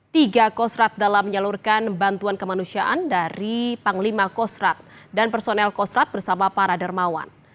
tiga kosrat dalam menyalurkan bantuan kemanusiaan dari panglima kostrat dan personel kostrat bersama para dermawan